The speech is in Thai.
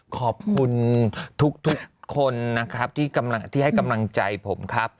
ขอบคุณทุกคนนะครับที่ให้กำลังใจผมครับ